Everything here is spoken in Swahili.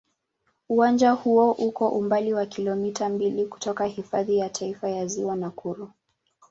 Uwanja huo uko umbali wa kilomita mbili kutoka Hifadhi ya Taifa ya Ziwa Nakuru.